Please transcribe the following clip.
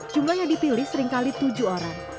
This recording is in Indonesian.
jumlah yang dipilih seringkali tujuh orang